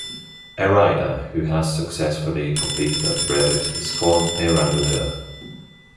A rider who has successfully completed a brevet is called a randonneur.